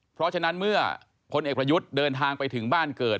เพราะฉะนั้นเมื่อพลเอกประยุทธ์เดินทางไปถึงบ้านเกิด